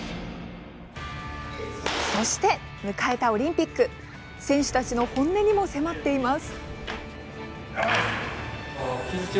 そして迎えたオリンピック選手たちの本音にも迫っています。